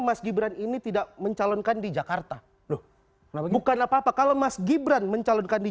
mas gibran ini tidak mencalonkan di jakarta loh bukan apa apa kalau mas gibran mencalonkan di